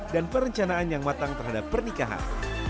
dan perencanaan yang matang terhadap pernikahan